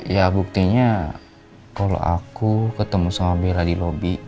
ya buktinya kalau aku ketemu sama bella di lobi